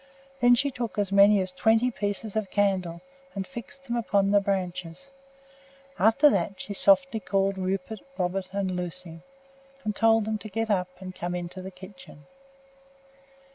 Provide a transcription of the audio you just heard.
Then she took as many as twenty pieces of candle and fixed them upon the branches. After that she softly called Rupert, Robert and Lucy, and told them to get up and come into the kitchen.